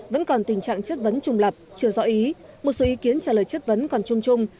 vẫn còn tình trạng chất vấn trùng lập chưa rõ ý một số ý kiến trả lời chất vấn còn chung chung